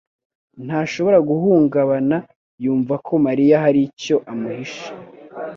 ntashobora guhungabana yumva ko Mariya hari icyo amuhishe.